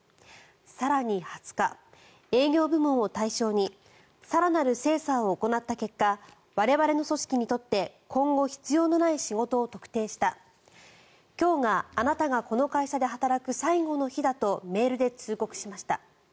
更に２０日、営業部門を対象に更なる精査を行った結果我々の組織にとって今後、必要のない仕事を特定した今日があなたがこの会社で働く最後の日だとメールで通告しました。